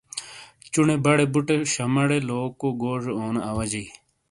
چُونے بڑے بُٹے شامہ ڑے لوکو گوزے اونو اواجئی۔